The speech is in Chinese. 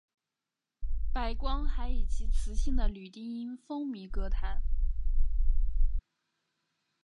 白光还以其磁性的女低音风靡歌坛。